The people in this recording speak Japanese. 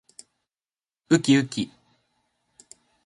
うきうき